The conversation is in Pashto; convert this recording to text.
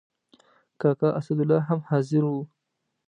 کاکا اسدالله هم حاضر و.